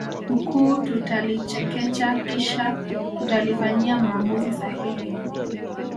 mkuu tutalichekecha kisha tutalifanyia maamuzi sahihi